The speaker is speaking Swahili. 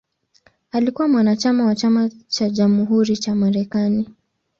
Alikuwa mwanachama wa Chama cha Jamhuri cha Marekani.